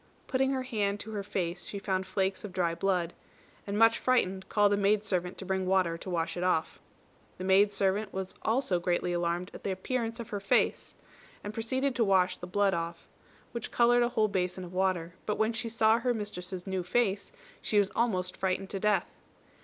Putting her hand to her face, she found flakes of dry blood; and much frightened called a maid servant to bring water to wash it off. The maid servant was also greatly alarmed at the appearance of her face, and proceeded to wash off the blood, which coloured a whole basin of water; but when she saw her mistress's new face she was almost frightened to death.